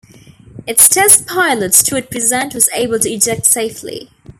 Its test pilot, Stuart Present was able to eject safely.